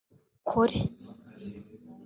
Kore